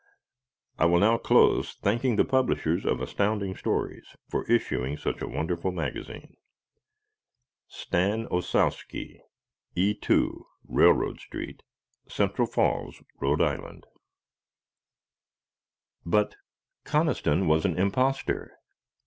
I will now close thanking the publishers of Astounding Stories for issuing such a wonderful magazine Stan Osowski, E2, Railroad St., Central Falls, R. I. _But Conniston Was An Impostor!